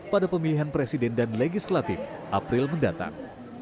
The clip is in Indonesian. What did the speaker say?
pada pemilihan presiden dan legislatif april mendatang